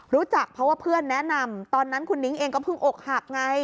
รู้จักเพราะว่าเพื่อนแนะนำตอนนั้นคุณนิ้งเองก็เพิ่งอกหักไง